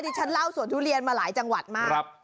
ฉันเล่าสวนทุเรียนมาหลายจังหวัดมาก